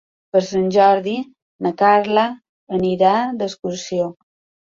Per Sant Jordi na Carla anirà d'excursió.